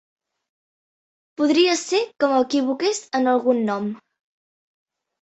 Podria ser que m'equivoqués en algun nom.